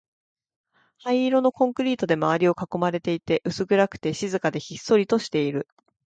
灰色のコンクリートで周りを囲まれていて、薄暗くて、静かで、ひっそりとしている